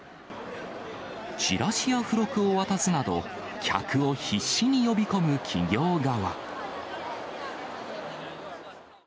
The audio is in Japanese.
チラシや付録を渡すなど、客を必死に呼び込む企業側。